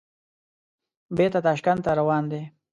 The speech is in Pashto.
بېرته تاشکند ته روان دي.